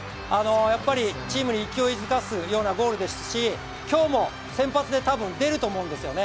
やっぱりチームに勢いづかすようなゴールですし、今日も先発で多分出ると思うんですよね。